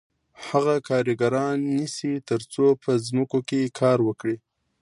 هغه کارګران نیسي تر څو په ځمکو کې کار وکړي